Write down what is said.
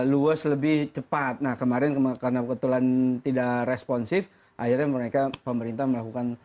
luas lebih cepat nah kemarin karena kebetulan tidak responsif akhirnya mereka pemerintah melakukan